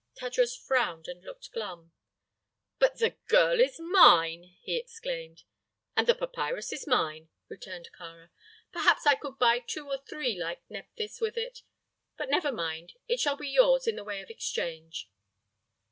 Tadros frowned and looked glum. "But the girl is mine!" he exclaimed. "And the papyrus is mine," returned Kāra. "Perhaps I could buy two or three like Nephthys with it; but never mind, it shall be yours in the way of exchange."